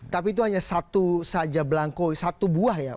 tapi itu hanya satu saja belangkul satu buah ya